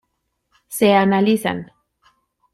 Se analizan.